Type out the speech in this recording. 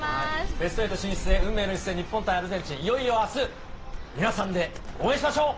ベスト８進出へ、運命の一戦、日本対アルゼンチン、いよいよあす、皆さんで応援しましょう。